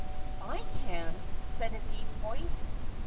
"I can," said a deep voice.